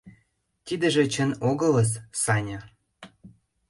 — Тидыже чын огылыс, Саня.